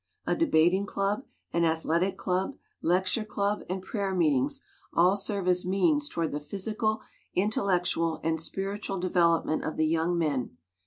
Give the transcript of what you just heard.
A debating club, an athletic club, lecture club, and prayer meetings all serve as means toward the physical, intellectual, and spir itual development of the young men.